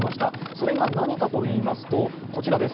それが何かといいますと、こちらです。